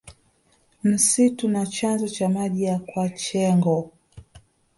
Msitu na chanzo cha maji ya kwachegho